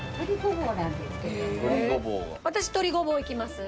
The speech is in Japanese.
私とりごぼういきます。